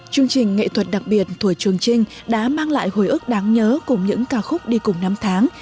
chương trình nghệ thuật đặc biệt thủa trường trinh đã mang lại hồi ước đáng nhớ cùng những ca khúc đi cùng năm tháng